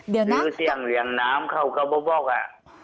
ซื้อเสี่ยงเรียงน้ำเขาก็บอกอ่ะ